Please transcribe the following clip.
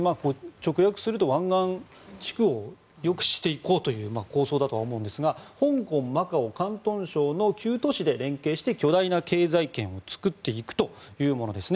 直訳すると湾岸地区を良くしていこうという構想だとは思うんですが香港・マカオ・広東省の９都市で連携して巨大な経済圏を作っていくというものです。